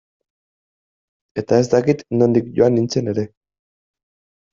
Eta ez dakit nondik joan nintzen ere.